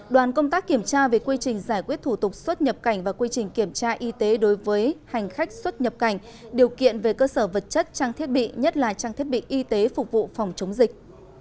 đoàn công tác kiểm tra về quy trình giải quyết thủ tục xuất nhập cảnh và quy trình kiểm tra y tế đối với hành khách xuất nhập cảnh điều kiện về cơ sở vật chất trang thiết bị nhất là trang thiết bị y tế phục vụ phòng chống dịch